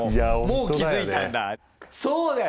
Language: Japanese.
もう気付いたんだ。